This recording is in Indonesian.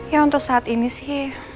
ya untuk saat ini sih